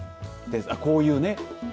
こういうね。